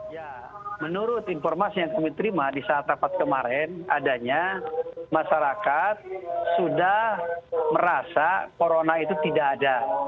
ya menurut informasi yang kami terima di saat rapat kemarin adanya masyarakat sudah merasa corona itu tidak ada